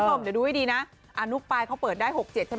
เดี๋ยวดูให้ดีนะอานุปายเขาเปิดได้๖๗ใช่ไหม